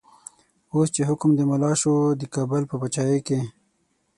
اوس چه حکم د ملا شو، دکابل په پاچایی کی